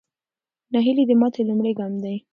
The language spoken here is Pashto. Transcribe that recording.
ناهیلي د ماتې لومړی ګام دی.